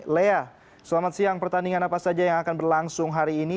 lea selamat siang pertandingan apa saja yang akan berlangsung hari ini